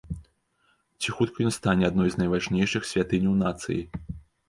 Ці хутка ён стане адной з найважнейшых святыняў нацыі?